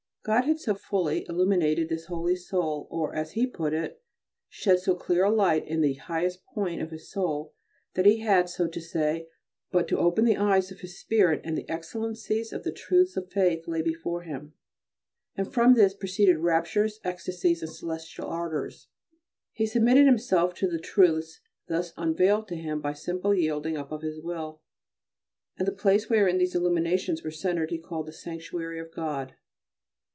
God had so fully illuminated this holy soul, or, as he put it, shed so clear a light in the highest point of his soul, that he had, so to say, but to open the eyes of his spirit and the excellencies of the truths of faith lay before him, and from this proceeded raptures, ecstacies, and celestial ardours. He submitted himself to the truths thus unveiled to him by a simple yielding up of his will, and the place wherein these illuminations were centred he called "The Sanctuary of God."